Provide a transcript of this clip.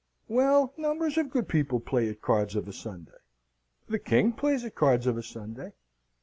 "Well, numbers of good people play at cards of a Sunday. The King plays at cards of a Sunday."